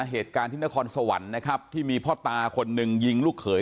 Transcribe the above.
เหตุการณ์ที่นครสวรรค์นะครับที่มีพ่อตาคนหนึ่งยิงลูกเขย